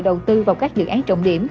đầu tư vào các dự án trọng điểm